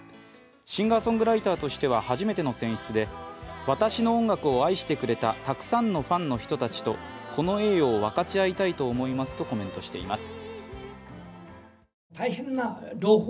シンガーソングライターとしては初めての選出で私の音楽を愛してくれたたくさんのファンの人たちとこの栄誉を分かち合いたいと思いますとコメントしています。